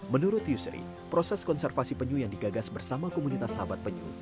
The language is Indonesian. menurut yusri proses konservasi penyu yang digagas bersama komunitas sahabat penyu